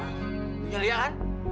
punya lia kan